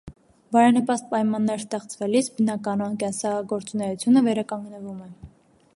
Բարենպաստ պայմաններ ստեղծվելիս բնականոն կենսագործունեությունը վերականգնվում է։